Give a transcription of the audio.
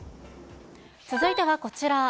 続いてはこちら。